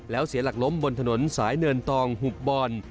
แล้วเสียหลักล้มบนถนนสายเนินตองหุบบอล